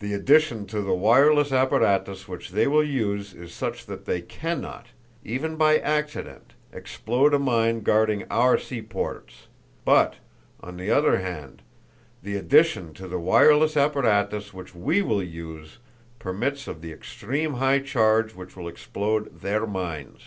The addition to the wireless apparatus which they will use is such that they can not, even by accident, explode a mine guarding our seaports; but, on the other hand, the addition to the wireless apparatus which we will use permits of the extreme high charge which will explode their mines.